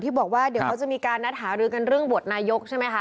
ที่บอกว่าเดี๋ยวเค้าจะมีการนัดหาเริ่มเรื่องบวตนายกใช่ไหมคะ